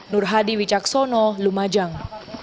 nurhadi wicaksono lumajang